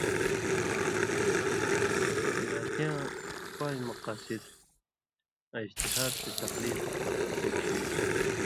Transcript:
شِراتیاں پان٘ژ مقاصِد آں اِجتہاد تے تقلید سِڇھی۔